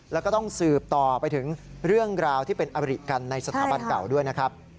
แล้วก็ต้องสืบต่อไปถึงเรื่องราวที่เป็นอบริกันในสถาบันเก่าด้วยนะครับ